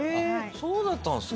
そうだったんですか。